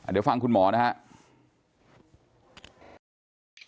เดี๋ยวฟังคุณหมอนะครับ